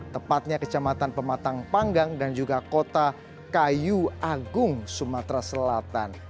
tepatnya kecamatan pematang panggang dan juga kota kayu agung sumatera selatan